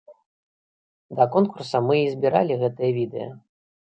Да конкурса мы і зрабілі гэтае відэа.